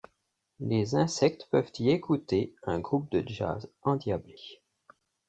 Les insectes peuvent y écouter un groupe de jazz endiablé…